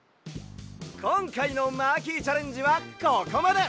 こんかいのマーキーチャレンジはここまで！